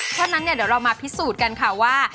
เพราะฉะนั้นเนี่ยเดี๋ยวเรามาพิสูจน์กันค่ะว่า